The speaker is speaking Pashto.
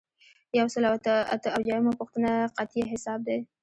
یو سل او اته اویایمه پوښتنه قطعیه حساب دی.